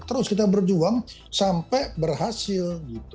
terus kita berjuang sampai berhasil